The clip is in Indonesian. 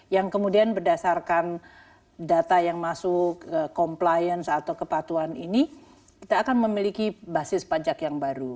yang kemudian berdasarkan data yang masuk compliance atau kepatuhan ini kita akan memiliki basis pajak yang baru